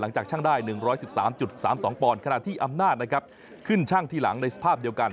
หลังจากช่างได้๑๑๓๓๒ปอนด์ขณะที่อำนาจขึ้นช่างทีหลังในสภาพเดียวกัน